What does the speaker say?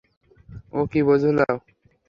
ও কী বোঝালো?